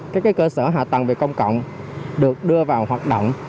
các cơ sở hạ tầng về công cộng được đưa vào hoạt động